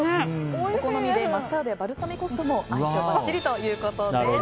お好みでマスタードやバルサミコ酢とも相性ばっちりということです。